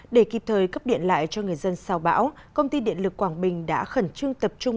để kịp thời cấp điện lại cho người dân sau bão công ty điện lực quảng bình đã khẩn trương tập trung